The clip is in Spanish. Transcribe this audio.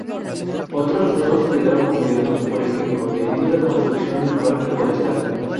Otros trozos quedaron cubiertos, por ejemplo, debido a la construcción del Parque Forestal.